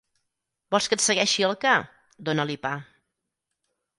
Vols que et segueixi el ca? Dona-li pa.